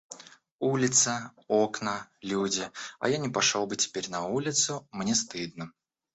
Улица, окна, люди, а я не пошел бы теперь на улицу — мне стыдно.